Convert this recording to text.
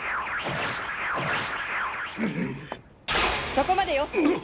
そこまでよ！